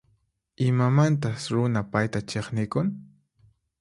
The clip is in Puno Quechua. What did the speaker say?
Imamantas runa payta chiqnikun?